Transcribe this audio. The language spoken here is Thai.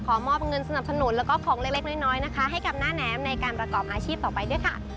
มอบเงินสนับสนุนแล้วก็ของเล็กน้อยนะคะให้กับหน้าแน้มในการประกอบอาชีพต่อไปด้วยค่ะ